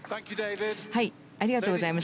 ありがとうございます。